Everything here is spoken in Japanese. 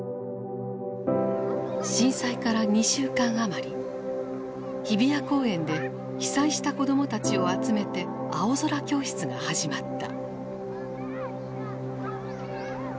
震災から２週間余り日比谷公園で被災した子供たちを集めて青空教室が始まった。